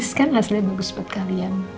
manis kan hasilnya bagus buat kalian